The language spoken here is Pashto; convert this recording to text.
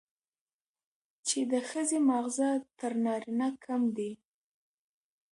چې د ښځې ماغزه تر نارينه کم دي،